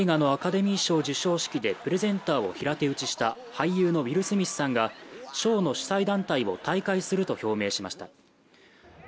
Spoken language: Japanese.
映画のアカデミー賞授賞式でプレゼンターを平手打ちした俳優のウィル・スミスさんが賞の主催団体を退会すると表明しました。